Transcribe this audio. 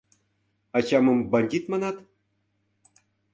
Ачамым бандит манат?